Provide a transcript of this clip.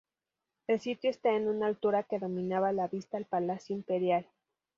El sitio está en una altura que dominaba la vista al Palacio Imperial.